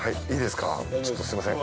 すいません。